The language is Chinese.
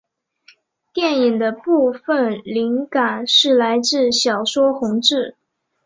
电影的部份灵感是来自小说红字。